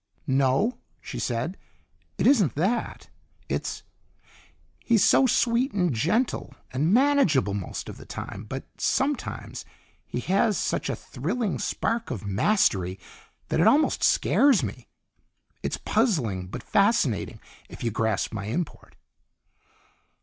"No," she said, "it isn't that. It's he's so sweet and gentle and manageable most of the time, but sometimes he has such a thrilling spark of mastery that it almost scares me. It's puzzling but fascinating, if you grasp my import."